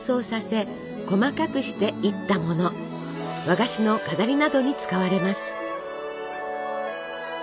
和菓子の飾りなどに使われます。